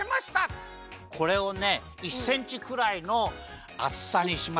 これをね１センチくらいのあつさにします。